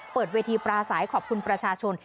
เปิดเวทีปราศัยขอบคุณประชาชน